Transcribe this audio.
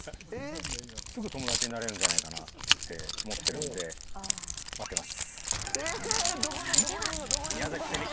すぐ友達になれるんじゃないかなって思ってるんで、待ってます。